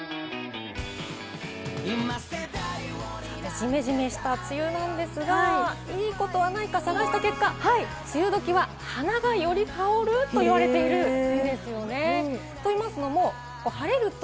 ジメジメした梅雨なんですがいいことはないか探した結果、梅雨どきは花がより香ると言われているんですよね。